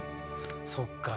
そっか。